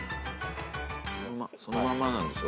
そのまんまなんでしょ？